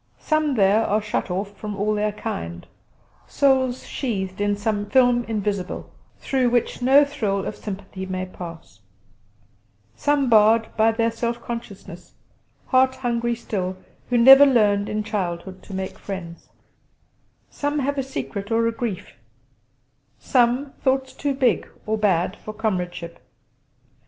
Some there are shut off from all their kind souls sheathed in some film invisible, through which no thrill of sympathy may pass; some barred by their self consciousness, heart hungry still, who never learned in childhood to make friends; some have a secret or a grief; some, thoughts too big or bad for comradeship.